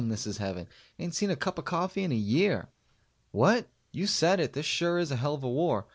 This is heaven. Ain't seen a cup of coffee in a year. What? You said it! This sure is a hell of a war.